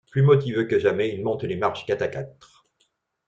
Plus motivé que jamais, il monte les marches quatre à quatre.